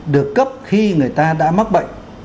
được cấp khi người ta đã mắc bệnh